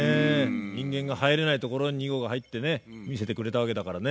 人間が入れないところに２号が入ってね見せてくれたわけだからね。